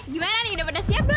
gimana nih udah pada siap belum